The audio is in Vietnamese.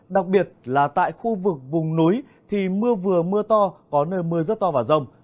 đặc biệt là tại khu vực vùng núi thì mưa vừa mưa to có nơi mưa rất to và rông